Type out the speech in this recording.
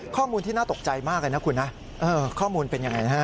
ข้อมูลที่น่าตกใจมากเลยนะคุณนะข้อมูลเป็นยังไงนะฮะ